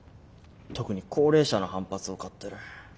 特に高齢者の反発を買ってる。